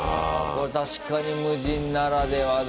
これ確かに無人ならではだ。